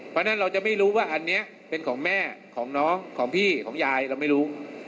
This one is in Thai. เพราะฉะนั้นเราจะไม่รู้ว่าอันนี้เป็นของแม่ของน้องของพี่ของยายเราไม่รู้